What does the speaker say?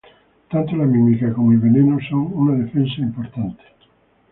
Tanto la mímica como el veneno son una defensa importante.